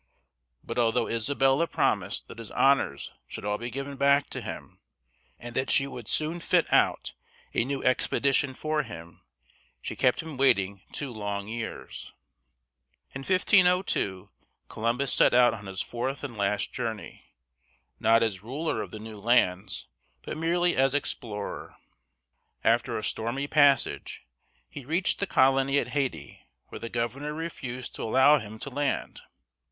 But although Isabella promised that his honors should all be given back to him, and that she would soon fit out a new expedition for him, she kept him waiting two long years. In 1502 Columbus set out on his fourth and last journey, not as ruler of the new lands, but merely as explorer. After a stormy passage, he reached the colony at Haiti, where the governor refused to allow him to land.